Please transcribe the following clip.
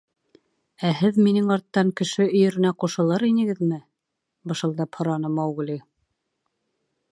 — Ә һеҙ минең арттан Кеше өйөрөнә ҡушылыр инегеҙме? — бышылдап һораны Маугли.